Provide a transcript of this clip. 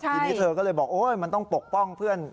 ทีนี้เธอก็เลยบอกโอ๊ยมันต้องปกป้องเพื่อน